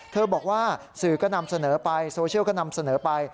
บอกว่าสื่อก็นำเสนอไปโซเชียลก็นำเสนอไป